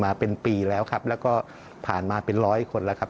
มาเป็นปีแล้วครับแล้วก็ผ่านมาเป็นร้อยคนแล้วครับ